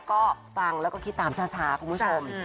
ก็ฟังแล้วก็คิดตามช้าคุณผู้ชม